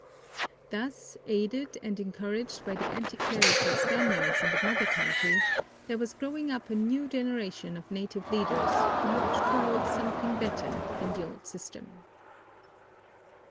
Thus, aided and encouraged by the anti clerical Spaniards in the mother country, there was growing up a new generation of native leaders, who looked toward something better than the old system.